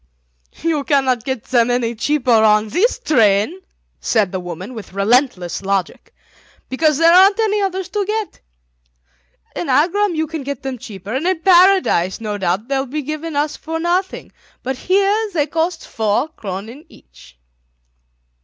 "You cannot get them any cheaper on this train," said the woman, with relentless logic, "because there aren't any others to get. In Agram you can buy them cheaper, and in Paradise no doubt they will be given to us for nothing, but here they cost four kronen each.